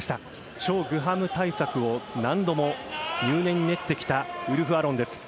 チョ・グハム対策を何度も入念に練ってきたウルフ・アロンです。